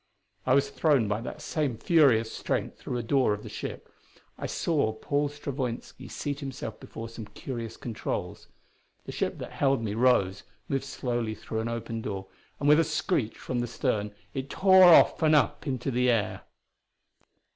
I was thrown by that same furious strength through a door of the ship; I saw Paul Stravoinski seat himself before some curious controls. The ship that held me rose; moved slowly through an opened door; and with a screech from the stern it tore off and up into the air.